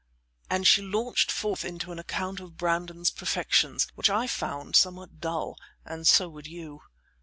and she launched forth into an account of Brandon's perfections, which I found somewhat dull, and so would you.